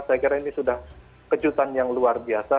saya kira ini sudah kejutan yang luar biasa